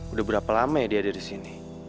udah berapa lama ya dia ada di sini